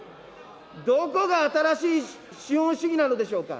どこが新しい資本主義なのでしょうか。